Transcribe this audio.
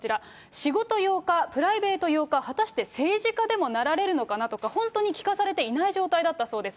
仕事用か、プライベート用か、果たして政治家でもなられるのかなとか、本当に聞かされていない状態だったそうです。